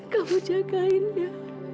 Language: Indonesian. kamu jagain dia